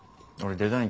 デザイン？